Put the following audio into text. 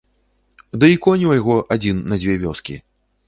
Ды й конь у яго адзін на дзве вёскі.